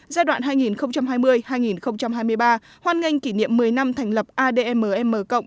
giai đoạn hai nghìn hai mươi hai nghìn hai mươi ba hoan nghênh kỷ niệm một mươi năm thành lập admm